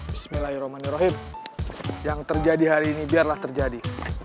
bismillahirrahmanirrahim yang terjadi hari ini biarlah terjadi